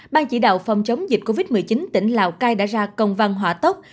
ban chỉ đạo phòng chống dịch covid một mươi chín tỉnh lào cai đã ra công văn hỏa tốc